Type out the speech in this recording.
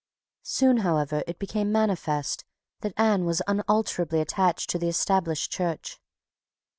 Soon, however, it became manifest that Anne was unalterably attached to the Established Church.